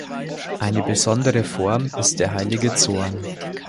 Eine besondere Form ist der heilige Zorn.